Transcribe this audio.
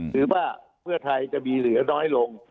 หรือว่าเพื่อไทยจะมีเหลือน้อยลง